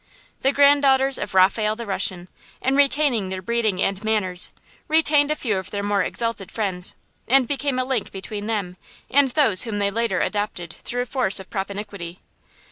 The granddaughters of Raphael the Russian, in retaining their breeding and manners, retained a few of their more exalted friends, and became a link between them and those whom they later adopted through force of propinquity.